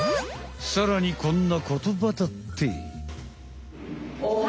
さらにこんな言葉だって。